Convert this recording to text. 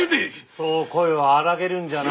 そう声を荒げるんじゃない。